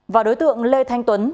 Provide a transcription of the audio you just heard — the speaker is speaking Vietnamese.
và đối tượng lê thanh tuấn